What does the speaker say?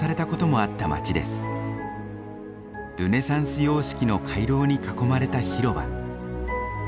ルネサンス様式の回廊に囲まれた広場。